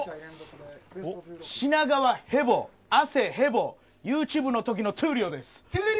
品川へぼ、亜生へぼＹｏｕＴｕｂｅの時の闘莉王です。